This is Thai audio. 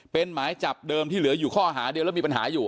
เป็นหมายจับเดิมที่เหลืออยู่ข้อหาเดียวแล้วมีปัญหาอยู่